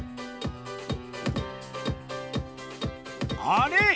あれ？